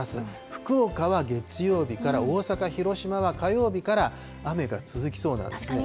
福岡は月曜日から、大阪、広島は火曜日から雨が続きそうなんですね。